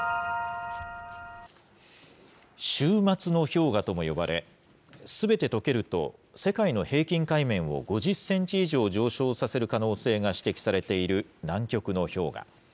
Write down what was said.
終末の氷河とも呼ばれ、すべてとけると世界の平均海面を５０センチ以上上昇させる可能性が指摘されている南極の氷河。